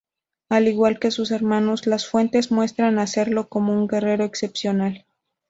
Al igual que sus hermanos, las fuentes muestran a Serlo como un guerrero excepcional.